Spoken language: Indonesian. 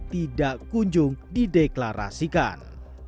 tidak kunjung dideklarasikan